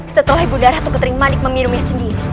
setelah ibu darah tukering manik meminumnya sendiri